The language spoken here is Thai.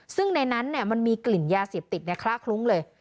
ซึ่งในนั้นมันมีกลิ่นยาเสพติดคล่าคลุ้งเลย